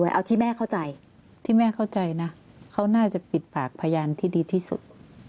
เอาที่แม่เข้าใจที่แม่เข้าใจนะเขาน่าจะปิดปากพยานที่ดีที่สุด